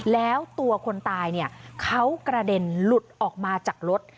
แล้วตัวคนตายเขากระเด็นหลุดออกมาจากรถ